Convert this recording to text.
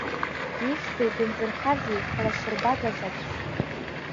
Ихьзеи, дынзырхазеи, ҳлашырбага заҵә?